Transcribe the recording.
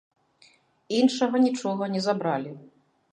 Іншага нічога не забралі.